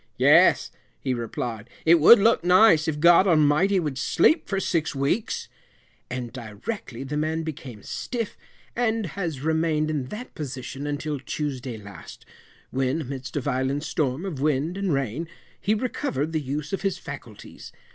"Yes," he replid, "it would look nice, if God Almighty would sleep for six weeks," and directly the man became stiff, and has remained in that position until Tuesday last, when, amidst a violent storm of wind and rain, he recovered the use of his faculties.